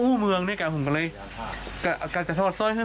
อู้เมืองผมก็เลยกันจะถอดซ่อยขึ้น